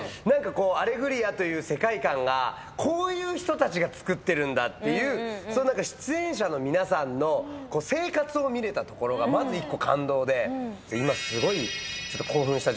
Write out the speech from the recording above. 『アレグリア』という世界観がこういう人たちがつくってるんだという出演者の皆さんの生活を見られたところがまず１個感動で。